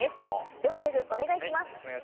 ではシェフ、お願いします。